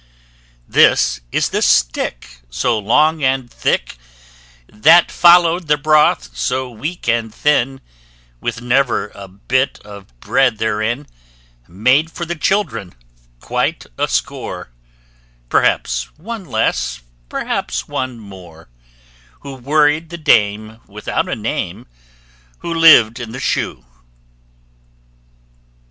This is the stick so long and thick, That followed the broth so weak and thin, With never a bit of bread therein, Made for the children, quite a score Perhaps one less, perhaps one more Who worried the dame without a name, WHO LIVED IN THE SHOE.